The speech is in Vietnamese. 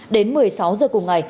đến một mươi sáu h cùng ngày